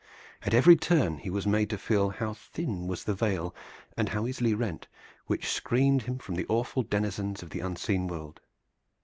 At every turn he was made to feel how thin was the veil, and how easily rent, which screened him from the awful denizens of the unseen world.